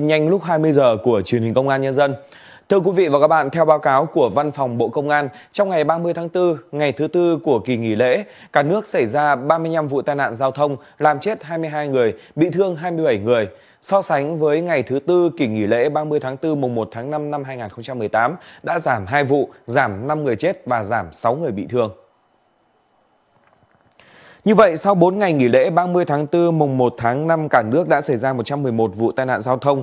như vậy sau bốn ngày nghỉ lễ ba mươi tháng bốn mùng một tháng năm cả nước đã xảy ra một trăm một mươi một vụ tai nạn giao thông